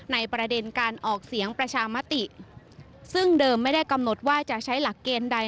ในประเด็นการออกเสียงประชามติซึ่งเดิมไม่ได้กำหนดว่าจะใช้หลักเกณฑ์ใด